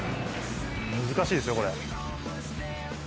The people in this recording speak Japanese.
難しいですよ、これ。